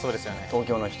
東京の人